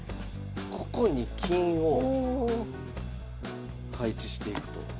ここに金を配置していこう。